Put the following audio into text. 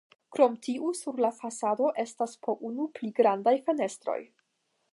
Krom tiu sur la fasado estas po unu pli grandaj fenestroj.